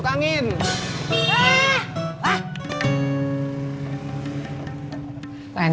mak kan bisa telepon